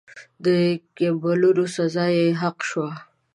د کېبولونو سزا یې حق شوه.